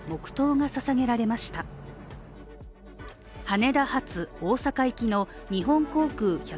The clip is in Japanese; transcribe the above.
羽田発大阪行きの日本航空１２３